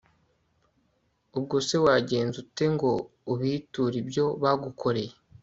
ubwo se wagenza ute ngo ubiture ibyo bagukoreye